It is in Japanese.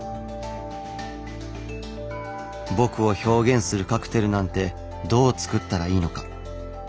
僕を表現するカクテルなんてどう作ったらいいのか。